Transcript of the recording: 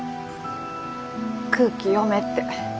空気読めって。